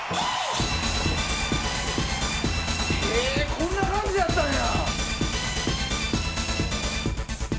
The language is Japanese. こんな感じやったんや！